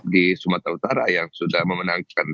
di sumatera utara yang sudah memenangkan